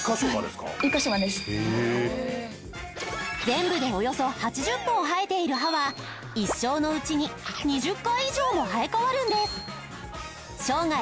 全部でおよそ８０本生えている歯は一生のうちに２０回以上も生え替わるんです生涯